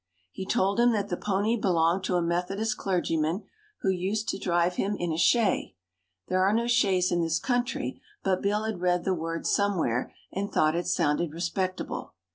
He told him that the pony belonged to a Methodist clergyman, who used to drive him in a "shay". There are no shays in this country; but Bill had read the word somewhere, and thought it sounded respectable.